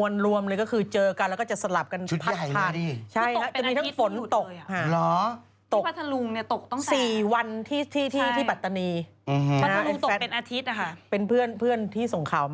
ที่ส่งข่าวมาจากที่นั่นนะครับ